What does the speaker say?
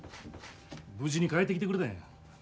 無事に帰ってきてくれたんや。